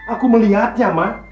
aku melihatnya ma